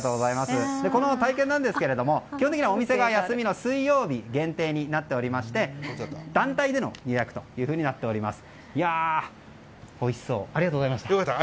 この体験ですが基本的にはお店が休みの水曜日限定になっていまして団体での予約となっております。